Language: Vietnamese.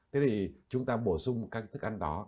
thế thì chúng ta bổ sung các cái thức ăn đó